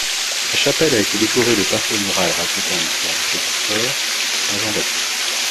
La chapelle a été décorée de peintures murales racontant l'histoire du Précurseur, saint Jean-Baptiste.